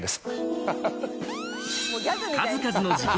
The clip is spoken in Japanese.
数々の事件